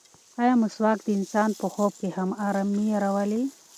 ایا مسواک د انسان په خوب کې هم ارامي راولي؟